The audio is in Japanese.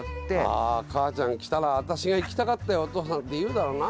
あかあちゃん来たら「私が行きたかったよおとうさん」って言うだろうな。